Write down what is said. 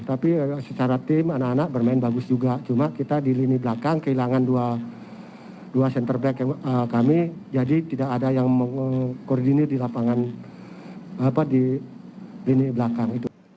tapi secara tim anak anak bermain bagus juga cuma kita di lini belakang kehilangan dua center back kami jadi tidak ada yang mengkoordinir di lapangan di lini belakang